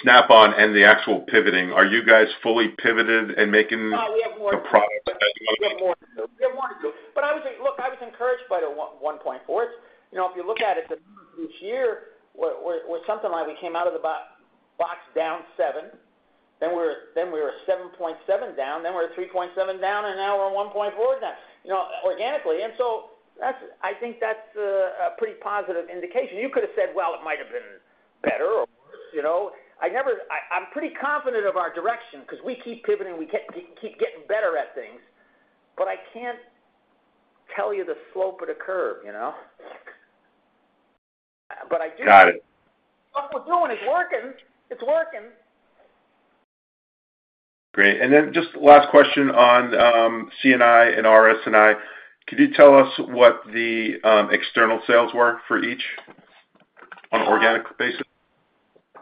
Snap-on and the actual pivoting, are you guys fully pivoted and making a product? We have more to do. We have more to do. But look, I was encouraged by the 1.4s. If you look at it, this year was something like we came out of the box down 7%. Then we were 7.7% down. Then we were 3.7% down, and now we're 1.4% down organically. And so I think that's a pretty positive indication. You could have said, "Well, it might have been better or worse." I'm pretty confident of our direction because we keep pivoting. We keep getting better at things. But I can't tell you the slope of the curve. But I do. What we're doing is working. It's working. Great. And then just last question on C&I and RS&I. Could you tell us what the external sales were for each on an organic basis?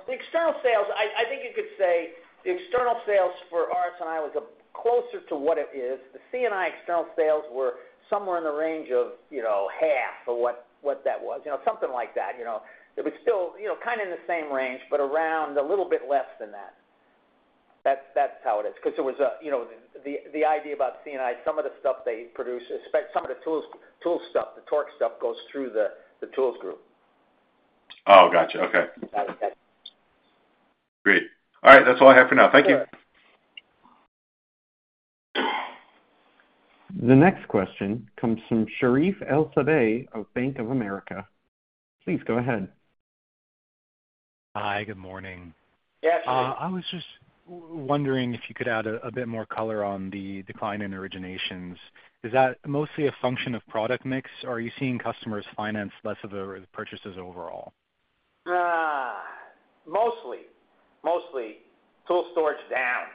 The external sales, I think you could say the external sales for RS&I was closer to what it is. The C&I external sales were somewhere in the range of half or what that was, something like that. It was still kind of in the same range, but around a little bit less than that. That's how it is. Because there was the idea about C&I, some of the stuff they produce, some of the tool stuff, the torque stuff goes through the Tools Group. Oh, gotcha. Okay. Great. All right. That's all I have for now. Thank you. The next question comes from Sherif El-Sabbahy of Bank of America. Please go ahead. Hi. Good morning. Yeah, sure. I was just wondering if you could add a bit more color on the decline in originations. Is that mostly a function of product mix? Are you seeing customers finance less of the purchases overall? Mostly. Mostly. Tool storage down.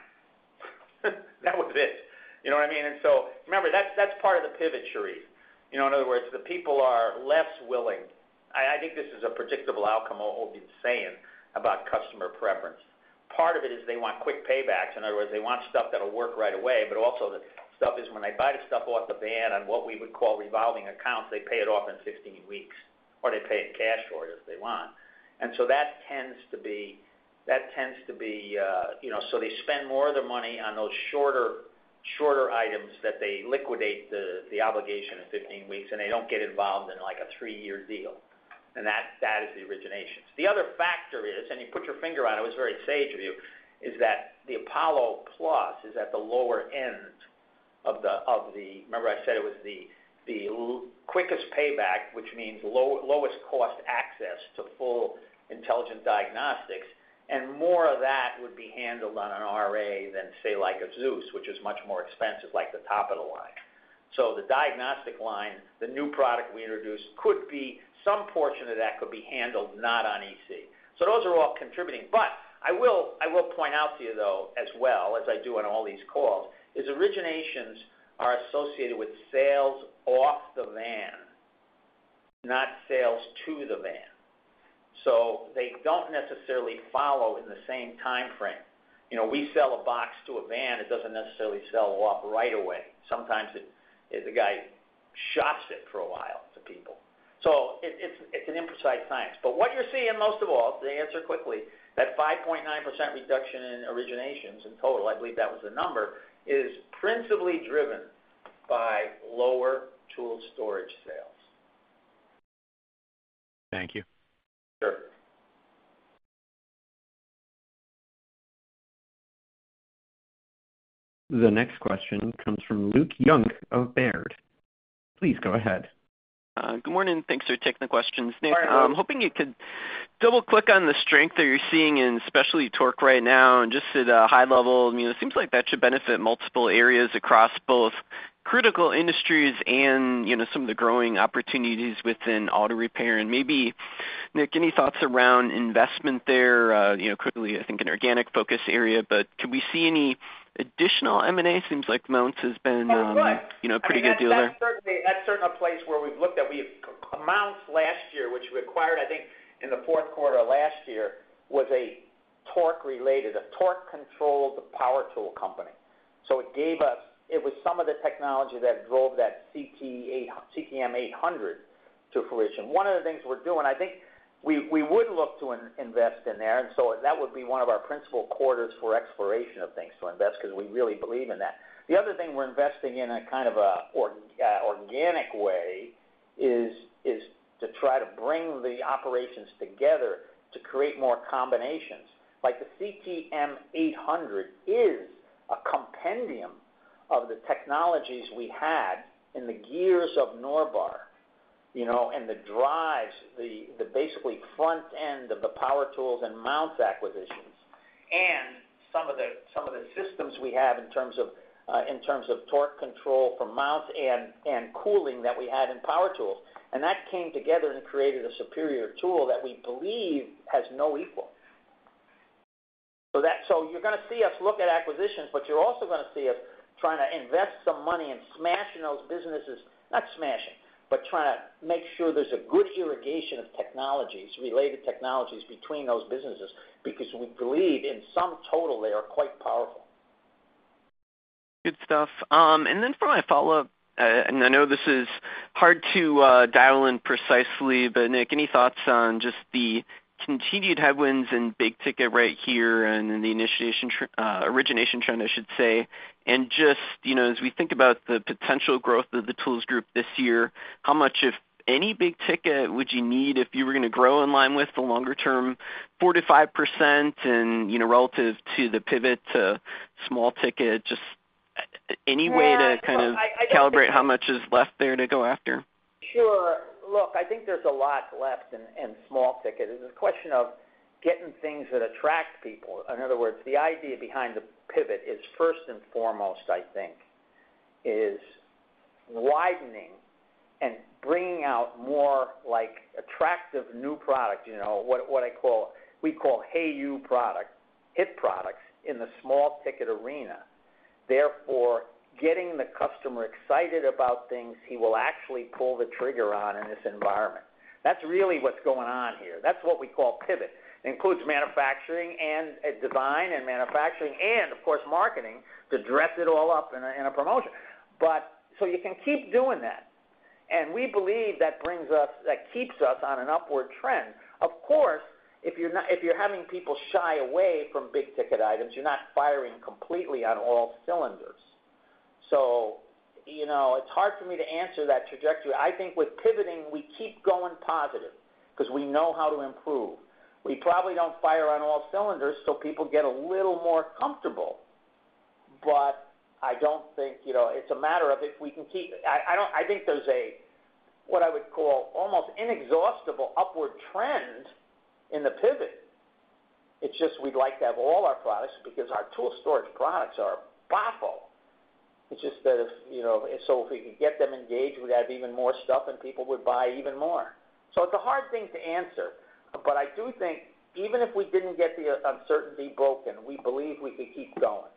That was it. You know what I mean? And so remember, that's part of the pivot, Sherif. In other words, the people are less willing. I think this is a predictable outcome I've been saying about customer preference. Part of it is they want quick paybacks. In other words, they want stuff that'll work right away. But also, the stuff is, when they buy the stuff off the van on what we would call revolving accounts, they pay it off in 15 weeks, or they pay it in cash or whatever they want. And so that tends to be so they spend more of their money on those shorter items that they liquidate the obligation in 15 weeks, and they don't get involved in a three-year deal. And that is the originations. The other factor is, and you put your finger on it, it was very sage of you, is that the Apollo Plus is at the lower end of the, remember I said it was the quickest payback, which means lowest cost access to full intelligent diagnostics. And more of that would be handled on an RA than, say, like a Zeus, which is much more expensive, like the top of the line. So the diagnostic line, the new product we introduced, could be some portion of that could be handled not on EC. So those are all contributing. But I will point out to you, though, as I do on all these calls, is originations are associated with sales off the van, not sales to the van. So they don't necessarily follow in the same timeframe. We sell a box to a van. It doesn't necessarily sell off right away. Sometimes the guy shops it for a while to people. So it's an imprecise science. But what you're seeing most of all, to answer quickly, that 5.9% reduction in originations in total, I believe that was the number, is principally driven by lower tool storage sales. Thank you. Sure. The next question comes from Luke Junk of Baird. Please go ahead. Good morning. Thanks for taking the questions, Nick. I'm hoping you could double-click on the strength that you're seeing in specialty torque right now. And just at a high level, it seems like that should benefit multiple areas across both critical industries and some of the growing opportunities within auto repair. And maybe, Nick, any thoughts around investment there? Clearly, I think an organic focus area. But can we see any additional M&A? It seems like Mountz has been a pretty good deal there. That's certainly a place where we've looked at. We acquired Mountz last year, which, I think, in the fourth quarter last year, was a torque-related, a torque-controlled power tool company. So it gave us; it was some of the technology that drove that CTM800 to fruition. One of the things we're doing, I think we would look to invest in there. And so that would be one of our principal quarters for exploration of things to invest because we really believe in that. The other thing we're investing in a kind of organic way is to try to bring the operations together to create more combinations. The CTM800 is a compendium of the technologies we had in the gears of Norbar, in the drives, the basic front end of the power tools and Mountz acquisitions, and some of the systems we have in terms of torque control for Mountz and cooling that we had in power tools. And that came together and created a superior tool that we believe has no equal. So you're going to see us look at acquisitions, but you're also going to see us trying to invest some money and meshing those businesses. Not smashing, but trying to make sure there's a good integration of related technologies between those businesses because we believe in sum total they are quite powerful. Good stuff. And then for my follow-up, and I know this is hard to dial in precisely, but Nick, any thoughts on just the continued headwinds and big ticket right here and the origination trend, I should say? And just as we think about the potential growth of the Tools Group this year, how much, if any, big ticket would you need if you were going to grow in line with the longer-term 4%-5% relative to the pivot to small ticket? Just any way to kind of calibrate how much is left there to go after? Sure. Look, I think there's a lot left in small ticket. It's a question of getting things that attract people. In other words, the idea behind the pivot is first and foremost, I think, is widening and bringing out more attractive new products, what we call hey-you products, hit products in the small ticket arena. Therefore, getting the customer excited about things, he will actually pull the trigger on in this environment. That's really what's going on here. That's what we call pivot. It includes manufacturing and design and manufacturing and, of course, marketing to dress it all up in a promotion. So you can keep doing that. And we believe that keeps us on an upward trend. Of course, if you're having people shy away from big ticket items, you're not firing completely on all cylinders. So it's hard for me to answer that trajectory. I think with pivoting, we keep going positive because we know how to improve. We probably don't fire on all cylinders till people get a little more comfortable. But I don't think it's a matter of if we can keep. I think there's a, what I would call, almost inexhaustible upward trend in the pivot. It's just we'd like to have all our products because our tool storage products are awful. It's just that if so if we could get them engaged, we'd have even more stuff, and people would buy even more. So it's a hard thing to answer. But I do think even if we didn't get the uncertainty broken, we believe we could keep going.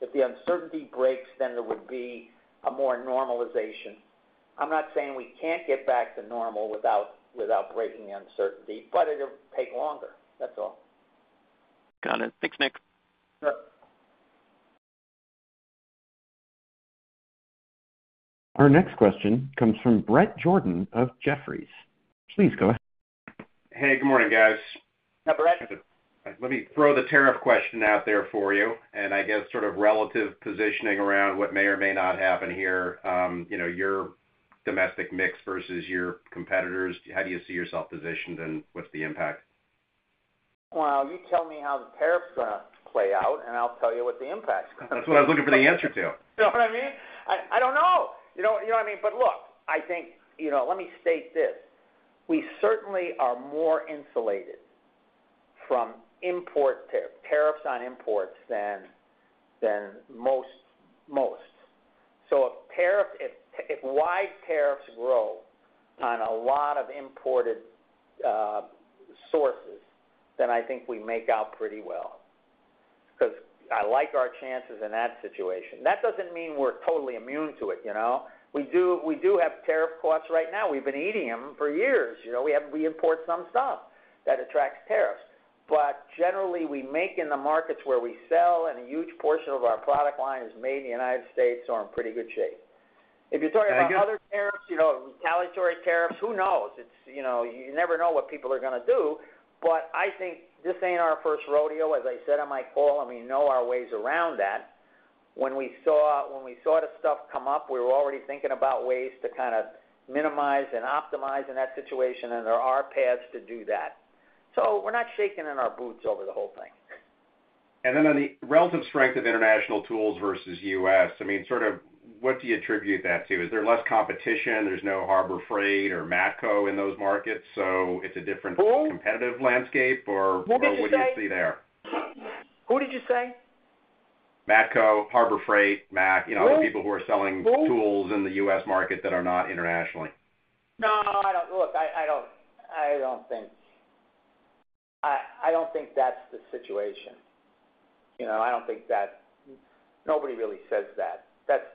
If the uncertainty breaks, then there would be a more normalization. I'm not saying we can't get back to normal without breaking the uncertainty, but it'll take longer. That's all. Got it. Thanks, Nick. Sure. Our next question comes from Bret Jordan of Jefferies. Please go ahead. Hey, good morning, guys. Hi, Bret. Let me throw the tariff question out there for you, and I guess sort of relative positioning around what may or may not happen here, your domestic mix versus your competitors. How do you see yourself positioned, and what's the impact? Well, you tell me how the tariffs are going to play out, and I'll tell you what the impact is. That's what I was looking for the answer to. You know what I mean? I don't know. You know what I mean? But look, I think let me state this. We certainly are more insulated from tariffs on imports than most. So if wide tariffs grow on a lot of imported sources, then I think we make out pretty well. Because I like our chances in that situation. That doesn't mean we're totally immune to it. We do have tariff costs right now. We've been eating them for years. We import some stuff that attracts tariffs. But generally, we make in the markets where we sell, and a huge portion of our product line is made in the United States or in pretty good shape. If you're talking about other tariffs, retaliatory tariffs, who knows? You never know what people are going to do. But I think this ain't our first rodeo. As I said on my call, and we know our ways around that. When we saw the stuff come up, we were already thinking about ways to kind of minimize and optimize in that situation. And there are paths to do that. So we're not shaking in our boots over the whole thing. And then on the relative strength of international tools versus U.S., I mean, sort of what do you attribute that to? Is there less competition? There's no Harbor Freight or Matco in those markets. So it's a different competitive landscape, or what would you see there? Who did you say? Matco, Harbor Freight, Mac, the people who are selling tools in the U.S., market that are not internationally. No, look, I don't think that's the situation. I don't think that nobody really says that.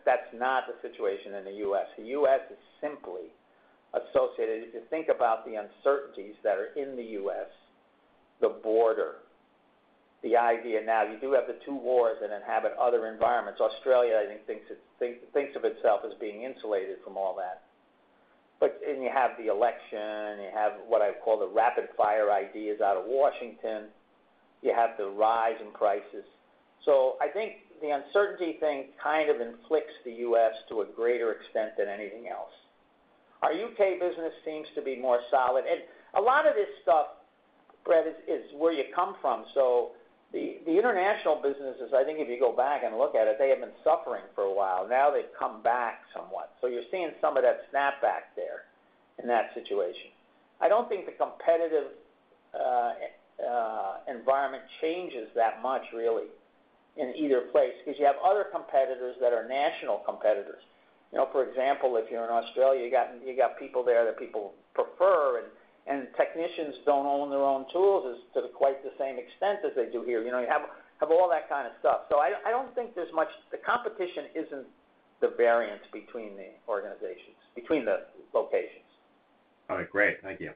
That's not the situation in the U.S., The U.S., is simply associated. If you think about the uncertainties that are in the U.S., the border, the idea now you do have the two wars that inhabit other environments. Australia, I think, thinks of itself as being insulated from all that, and you have the election. You have what I call the rapid-fire ideas out of Washington. You have the rise in prices, so I think the uncertainty thing kind of inflicts the U.S., to a greater extent than anything else. Our UK business seems to be more solid, and a lot of this stuff, Bret, is where you come from. So the international businesses, I think if you go back and look at it, they have been suffering for a while. Now they've come back somewhat, so you're seeing some of that snapback there in that situation. I don't think the competitive environment changes that much, really, in either place because you have other competitors that are national competitors. For example, if you're in Australia, you got people there that people prefer. And technicians don't own their own tools to quite the same extent as they do here. You have all that kind of stuff. So I don't think there's much. The competition isn't the variance between the organizations, between the locations. All right. Great. Thank you.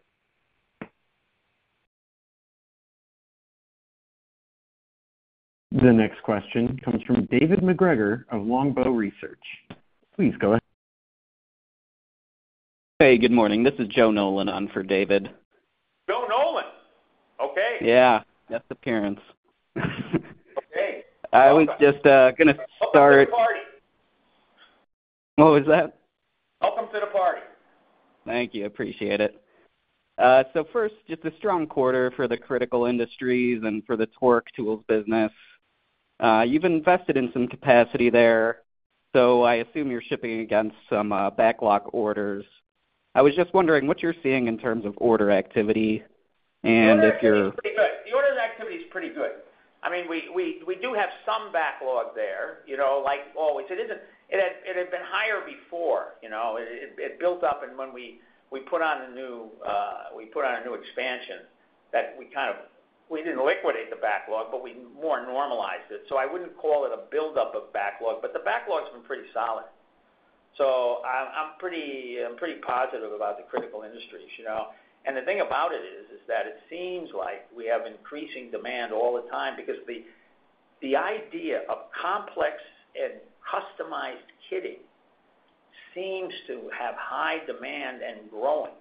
The next question comes from David MacGregor of Longbow Research. Please go ahead. Hey, good morning. This is Joe Nolan on for David. Joe Nolan. Okay. Yeah. That's the appearance. Okay. I was just going to start. Welcome to the party. What was that? Welcome to the party. Thank you. Appreciate it. So first, just a strong quarter for the critical industries and for the torque tools business. You've invested in some capacity there. So I assume you're shipping against some backlog orders. I was just wondering what you're seeing in terms of order activity and if you're. The order activity is pretty good. I mean, we do have some backlog there, like always. It had been higher before. It built up. And when we put on a new expansion that we kind of we didn't liquidate the backlog, but we more normalized it. So I wouldn't call it a buildup of backlog. But the backlog's been pretty solid. So I'm pretty positive about the critical industries. And the thing about it is that it seems like we have increasing demand all the time because the idea of complex and customized kitting seems to have high demand and growing.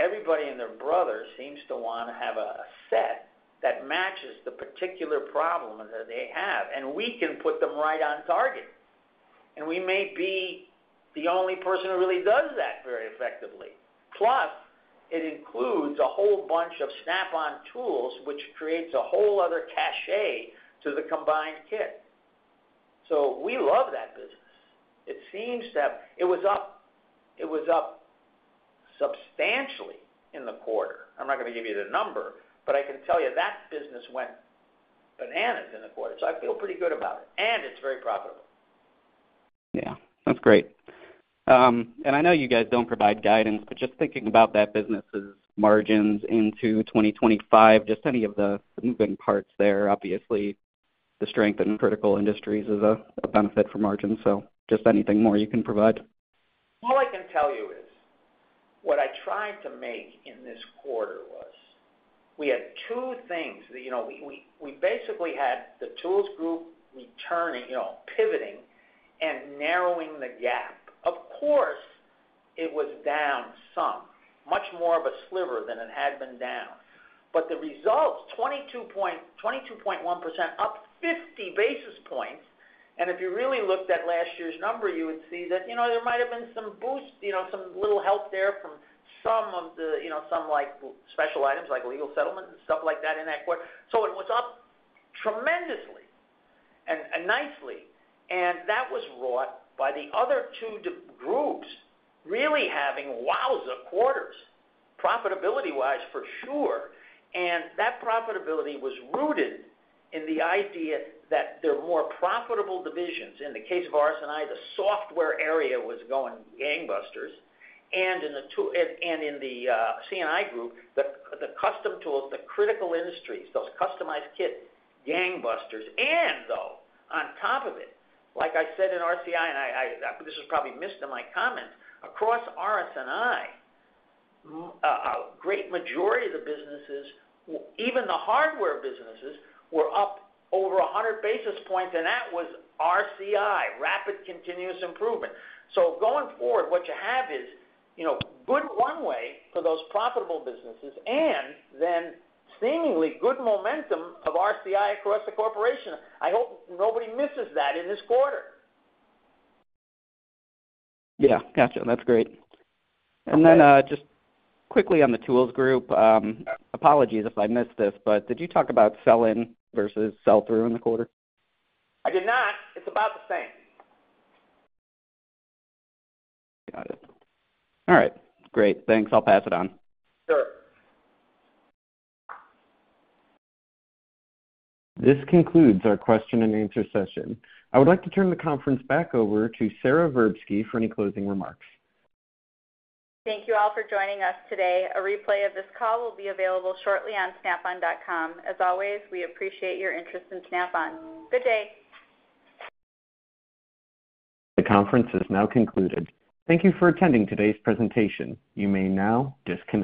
Everybody and their brother seems to want to have a set that matches the particular problem that they have. And we can put them right on target. And we may be the only person who really does that very effectively. Plus, it includes a whole bunch of Snap-on tools, which creates a whole other cachet to the combined kit. So we love that business. It seems to have it was up substantially in the quarter. I'm not going to give you the number, but I can tell you that business went bananas in the quarter. So I feel pretty good about it. It's very profitable. Yeah. That's great. I know you guys don't provide guidance, but just thinking about that business's margins into 2025, just any of the moving parts there, obviously, the strength in critical industries is a benefit for margins. Just anything more you can provide? All I can tell you is what I tried to make in this quarter was we had two things. We basically had the Tools Group returning, pivoting, and narrowing the gap. Of course, it was down some, much more of a sliver than it had been down. The results, 22.1%, up 50 basis points. If you really looked at last year's number, you would see that there might have been some boost, some little help there from some of the special items like legal settlement and stuff like that in that quarter. So it was up tremendously and nicely. And that was brought by the other two groups really having wow quarters, profitability-wise, for sure. And that profitability was rooted in the idea that there are more profitable divisions. In the case of RS&I, the software area was going gangbusters. And in the C&I Group, the custom tools, the critical industries, those customized kits, gangbusters. And though, on top of it, like I said in RCI, and this was probably missed in my comments, across RS&I, a great majority of the businesses, even the hardware businesses, were up over 100 basis points. And that was RCI, Rapid Continuous Improvement. So going forward, what you have is good runway for those profitable businesses and then seemingly good momentum of RCI across the corporation. I hope nobody misses that in this quarter. Yeah. Gotcha. That's great. And then just quickly on the Tools Group, apologies if I missed this, but did you talk about sell-in versus sell-through in the quarter? I did not. It's about the same. Got it. All right. Great. Thanks. I'll pass it on. Sure. This concludes our question-and-answer session. I would like to turn the conference back over to Sara Verbsky for any closing remarks. Thank you all for joining us today. A replay of this call will be available shortly on snap-on.com. As always, we appreciate your interest in Snap-on. Good day. The conference is now concluded. Thank you for attending today's presentation. You may now disconnect.